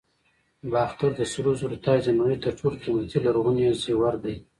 د باختر د سرو زرو تاج د نړۍ تر ټولو قیمتي لرغوني زیور دی